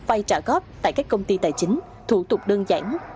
vay trả góp tại các công ty tài chính thủ tục đơn giản